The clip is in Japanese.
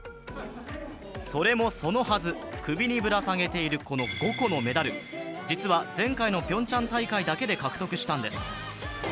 それもそのはず、首にぶら下げている５個のメダル、実は前回のピョンチャン大会だけで獲得したんです。